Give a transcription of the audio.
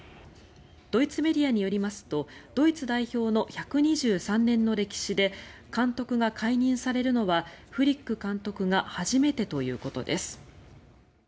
ドイツメディアによりますとドイツ代表の１２３年の歴史で監督が解任されるのはフリック監督が初めてということです。